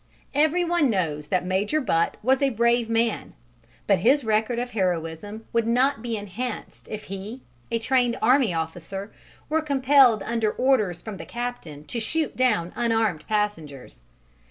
Everyone knows that Major Butt was a brave man, but his record of heroism would not be enhanced if he, a trained army officer, were compelled under orders from the captain to shoot down unarmed passengers.